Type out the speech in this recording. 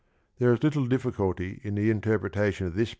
There is little difficulty in the interpretation of this thp po^i nn.